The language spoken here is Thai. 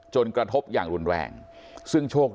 จนกระทบอย่างรุนแรง